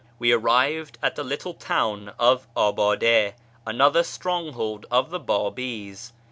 we arrived at the little town of Abade, another stronghold of the Babi's.